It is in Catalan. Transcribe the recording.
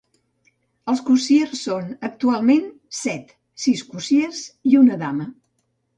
Els Cossiers són, actualment, set: sis cossiers i una dama.